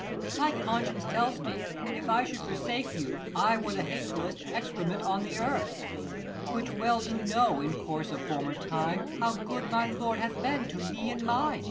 My conscience tells me, if I should forsake you, I were the hatefull'st excrement on the earth : Which well do know, in course of former time, 65 How good my lord hath been to me and mine.